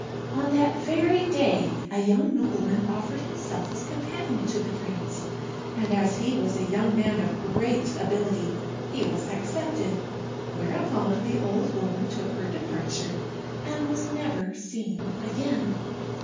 On that very day a young nobleman offered himself as companion to the prince, and as he was a young man of great ability, he was accepted: whereupon the old woman took her departure, and was never seen again.